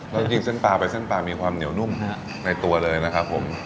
แล้วจริงเส้นปลาไปเส้นปลามีความเหนียวนุ่มในตัวเลยนะครับผม